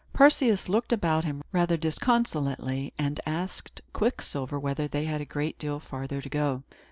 Perseus looked about him, rather disconsolately, and asked Quicksilver whether they had a great deal farther to go.